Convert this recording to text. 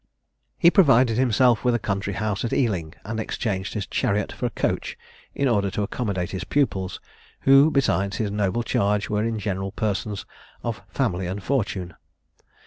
He provided himself with a country house at Ealing, and exchanged his chariot for a coach, in order to accommodate his pupils, who, besides his noble charge, were in general persons of family and fortune.